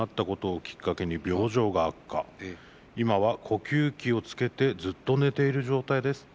今は呼吸器をつけてずっと寝ている状態です。